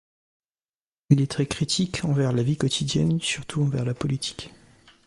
Il est très critique envers la vie quotidienne, surtout envers la politique.